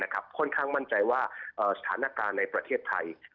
ค่อนข้างมั่นใจว่าสถานการณ์ในประเทศไทย